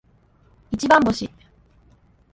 一番星